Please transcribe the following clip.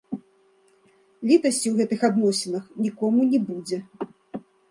Літасці ў гэтых адносінах нікому не будзе.